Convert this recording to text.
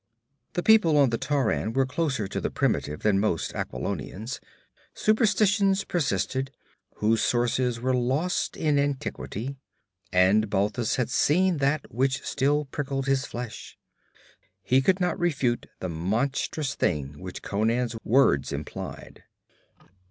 The people on the Tauran were closer to the primitive than most Aquilonians; superstitions persisted, whose sources were lost in antiquity. And Balthus had seen that which still prickled his flesh. He could not refute the monstrous thing which Conan's words implied.